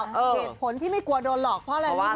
เหตุผลที่ไม่กลัวโดนหลอกเพราะอะไรรู้ไหม